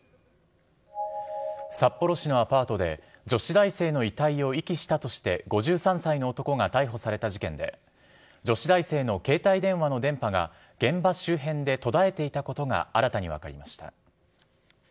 札幌市のアパートで、女子大生の遺体を遺棄したとして、５３歳の男が逮捕された事件で、女子大生の携帯電話の電波が、現場周辺で途絶えていたことが新たに分かりました。